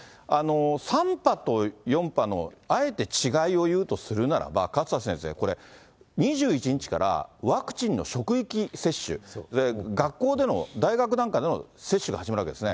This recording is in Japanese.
３波と４波のあえて違いを言うとするならば、勝田先生、これ、２１日からワクチンの職域接種、学校での、大学なんかでの接種が始まるわけですね。